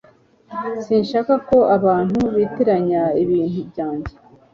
Sinshaka ko abantu bitiranya ibintu byanjye